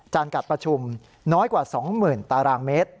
กัดประชุมน้อยกว่า๒๐๐๐ตารางเมตร